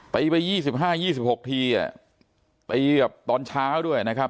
ไปไปยี่สิบห้ายี่สิบหกทีอ่ะไปตอนเช้าด้วยนะครับ